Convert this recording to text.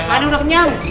kan udah kenyang